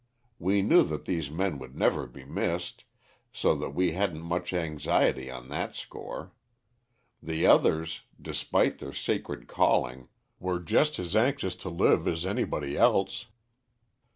We knew that these men would never be missed, so that we hadn't much anxiety on that score. The others, despite their sacred calling, were just as anxious to live as anybody else.